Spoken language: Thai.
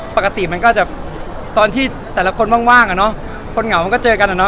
ปกติมันก็จะตอนที่แต่ละคนว่างคนเหงามันก็เจอกัน